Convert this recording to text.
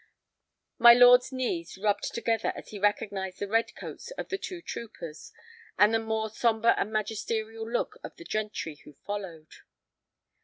My lord's knees rubbed together as he recognized the red coats of the two troopers, and the more sombre and magisterial look of the gentry who followed.